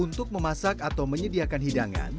untuk memasak atau menyediakan hidangan